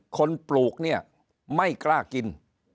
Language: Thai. ปลูกเนี่ยไม่กล้ากิน